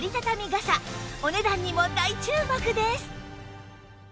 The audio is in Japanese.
お値段にも大注目です！